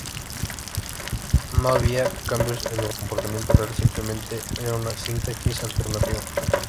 No había cambios en el comportamiento real, simplemente era una sintaxis alternativa.